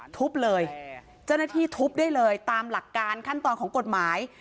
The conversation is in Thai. ทุบเลยเจ้าหน้าที่ทุบได้เลยตามหลักการขั้นตอนของกฎหมาย